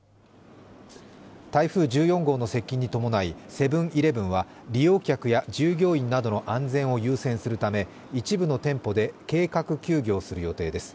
台風１４号の接近に伴い、セブン−イレブンは利用客や従業員などの安全を優先するため、一部の店舗で計画休業する予定です。